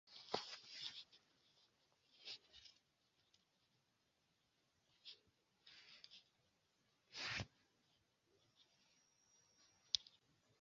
Oni trovas ilin preskaŭ en la tuta mondo, sed ĉefe en mezvarmaj regionoj.